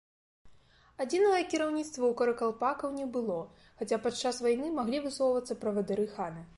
Адзінага кіраўніцтва ў каракалпакаў не было, хаця падчас вайны маглі высоўвацца правадыры-ханы.